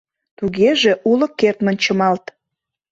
— Тугеже уло кертмын чымалт...